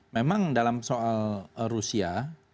memang dalam soal rusia